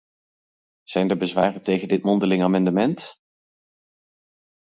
Zijn er bezwaren tegen dit mondeling amendement?